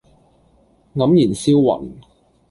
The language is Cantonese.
黯然銷魂